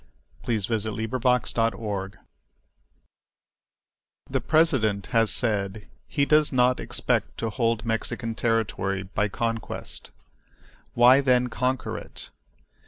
Thomas Corwin On the Mexican War THE PRESIDENT has said he does not expect to hold Mexican territory by conquest. Why then conquer it?